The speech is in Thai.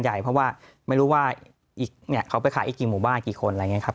เพราะว่าไม่รู้ว่าอีกเนี่ยเขาไปขายอีกกี่หมู่บ้านกี่คนอะไรอย่างนี้ครับ